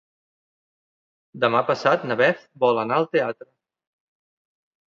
Demà passat na Beth vol anar al teatre.